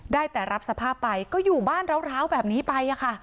ได้แต่รับสภาพไปก็อยู่บ้านร้าวแบบนี้ไปค่ะ